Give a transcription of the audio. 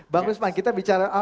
bang ruzman kita bicara